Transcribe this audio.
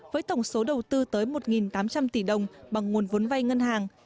với tổng số đầu tư tới một tám trăm linh tỷ đồng bằng nguồn vốn vay ngân hàng